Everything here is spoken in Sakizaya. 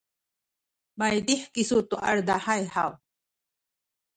maydih kisu tu aledahay haw?